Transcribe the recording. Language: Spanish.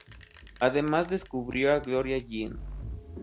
Además descubrió a Gloria Jean.